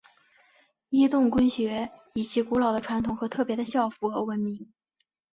伊顿公学以其古老的传统和特别的校服而闻名。